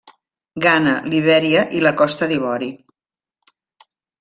Ghana, Libèria i la Costa d'Ivori.